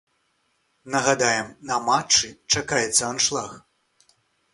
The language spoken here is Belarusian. Нагадаем, на матчы чакаецца аншлаг.